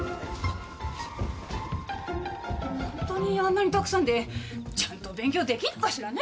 ホントにあんなにたくさんでちゃんと勉強できるのかしらね。